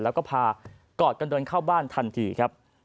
แล้วก็พากอดกันเดินเข้าบ้านทันทีครับ